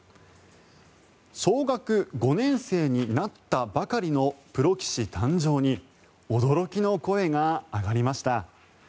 小学５年生になったばかりのプロ棋士誕生に驚きの声が上がりました。